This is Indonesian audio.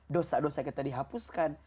dosa dosa kita dihapuskan